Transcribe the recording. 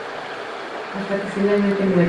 Hasta que finalmente muere.